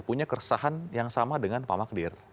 punya keresahan yang sama dengan pak magdir